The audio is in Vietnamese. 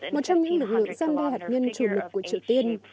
một trong những lực lượng giam đê hạt nhân chủ mực của triều tiên